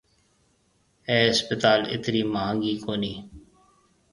اَي اسپتال اَترِي مھانگِي ڪوني